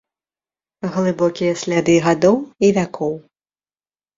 Глыбокія сляды гадоў і вякоў.